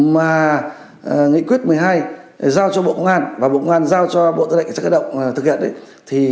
mà nghị quyết một mươi hai giao cho bộ công an và bộ ngàn giao cho bộ tư lệ cảnh sát cơ động thực hiện thì